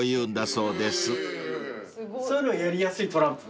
そういうのやりやすいトランプ？